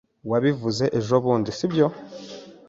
Wabivuze ejobundi, sibyo?